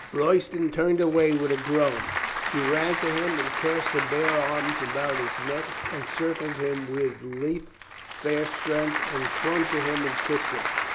Royston turned away with a groan. She ran to him and cast her bare arms about his neck and circled him with lithe, fair strength and clung to him and kissed him.